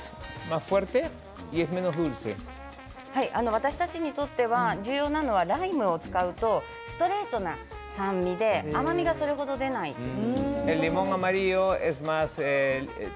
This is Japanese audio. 私たちにとっては重要なのはライムを使うとストレートな酸味で甘みがそれ程、出ないんです。